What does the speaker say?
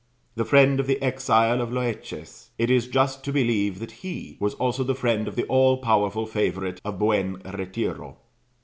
The friend of the exile of Loeches, it is just to believe that he was also the friend of the all powerful favourite at Buenretiro.